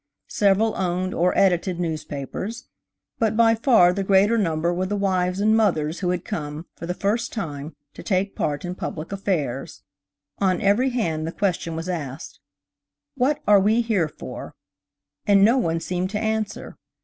Several owned or edited newspapers, but by far the greater number were the wives and mothers who had come, for the first time, to take part in public affairs. On every hand the question was asked, "What are we here for?" and no one seemed to answer.